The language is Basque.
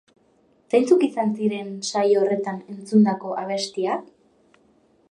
Zeintzuk izan ziren saio horretan entzundako abestiak?